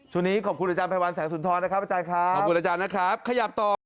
ชั่วนี้ขอบคุณอาจารย์ปรับแฮงพรรณแสล